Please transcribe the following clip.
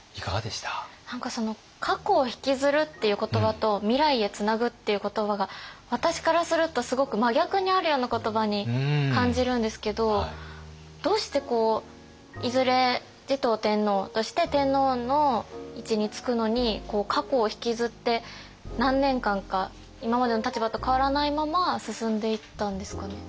何か過去をひきずるっていう言葉と未来へつなぐっていう言葉が私からするとすごく真逆にあるような言葉に感じるんですけどどうしてこういずれ持統天皇として天皇の位置につくのに過去をひきずって何年間か今までの立場と変わらないまま進んでいったんですかね。